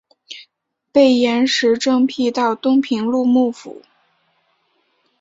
被严实征辟到东平路幕府。